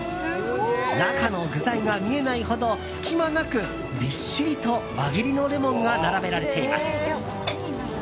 中の具材が見えないほど隙間なくびっしりと輪切りのレモンが並べられています。